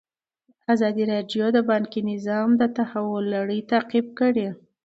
ازادي راډیو د بانکي نظام د تحول لړۍ تعقیب کړې.